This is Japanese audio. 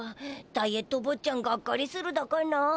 ダイエット坊ちゃんがっかりするだかな。